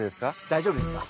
「大丈夫ですか」？